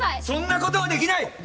そんなことはできない！